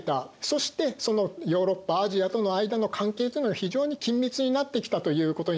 そしてそのヨーロッパアジアとの間の関係というのが非常に緊密になってきたということになります。